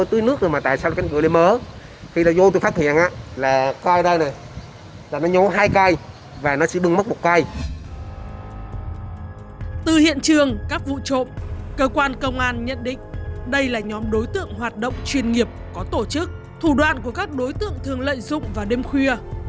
từ hiện trường các vụ trộm cơ quan công an nhận định đây là nhóm đối tượng hoạt động chuyên nghiệp có tổ chức thủ đoạn của các đối tượng thường lợi dụng vào đêm khuya